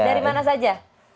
dari mana saja